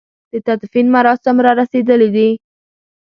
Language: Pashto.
د تدفين مراسم را رسېدلي دي.